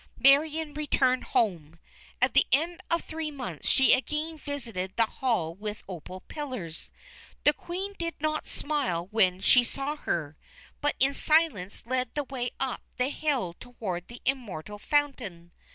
Marion returned home. At the end of three months she again visited the hall with opal pillars. The Queen did not smile when she saw her; but in silence led the way up the hill toward the Immortal Fountain.